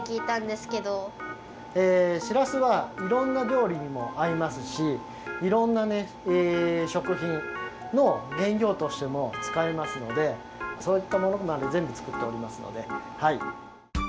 えしらすはいろんな料理にもあいますしいろんなねしょくひんのげんりょうとしても使えますのでそういったものまでぜんぶ作っておりますのではい。